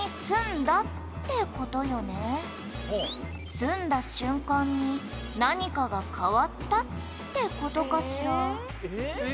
「住んだ瞬間に何かが変わったって事かしら？」